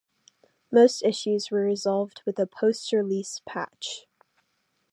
Most issues were resolved with a post-release patch.